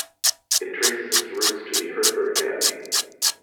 It traces its roots to the Hertford Academy.